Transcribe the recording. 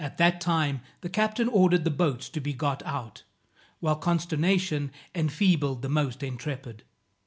At that time the captain ordered the boats to be got out, while consternation enfeebled the most intrepid.